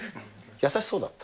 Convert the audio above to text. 優しそうだった？